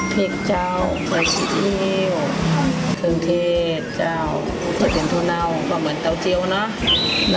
พริกเจ้าใส่ชิ้วครึ่งเทศเจ้าเดี๋ยวเปลี่ยนทุนัลก็เหมือนเตาเจียวเนอะ